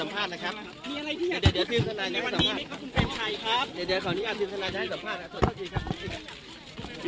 ผมขอโทษครับ